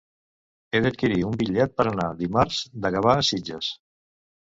He d'adquirir un bitllet per anar dimarts de Gavà a Sitges.